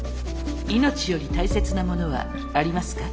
命より大切なものはありますか？